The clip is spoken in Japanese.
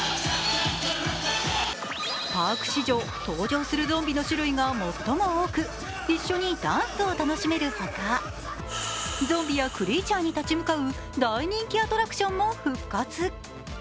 パーク史上、登場するゾンビの種類が最も多く一緒にダンスを楽しめるほか、ゾンビやクリーチャーに立ち向かう大人気アトラクションも復活。